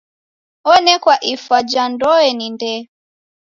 Onekwa ifwa ja ndoe ni ndee.